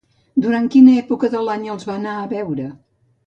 Durant quina època de l'any els va anar a veure?